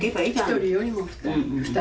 １人よりも２人。